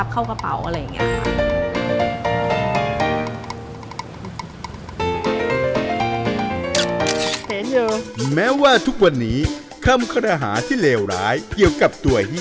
แก่คุณกะหลับ